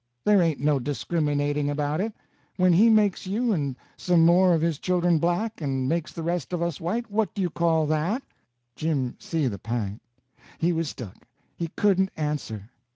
There ain't no discriminating about it. When he makes you and some more of his children black, and makes the rest of us white, what do you call that?" Jim see the p'int. He was stuck. He couldn't answer.